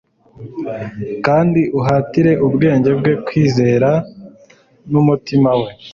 kandi uhatire ubwenge bwe kwizera n'umutima we